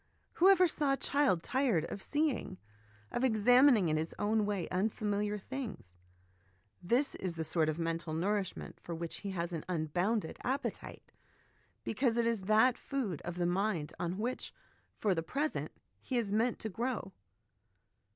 Whoever saw a child tired of seeing, of examining in his own way, unfamiliar things ? This is the sort of mental nourishment for which he has an unbounded appetite, because it is that food of the mind on which, for the present, he is meant to grow.